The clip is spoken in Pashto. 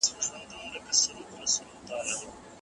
خیر محمد به هڅه کوله چې د موټر چلوونکي ته په نرمۍ سلام وکړي.